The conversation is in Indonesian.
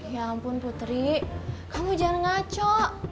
ya ampun putri kamu jangan ngaco